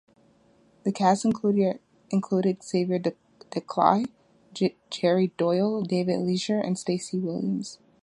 The cast included Xavier Declie, Jerry Doyle, David Leisure and Stacey Williams.